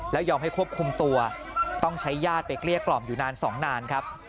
แล้วยอมให้ควบคุมตัวต้องใช้ญาติไปเกลี้ยกล่อมอยู่นานสองนานครับ